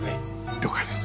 了解です。